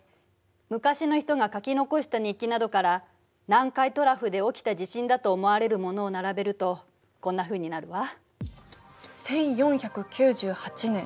昔の人が書き残した日記などから南海トラフで起きた地震だと思われるものを並べるとこんなふうになるわ。